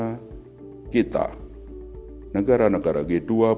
karena kita negara negara g dua puluh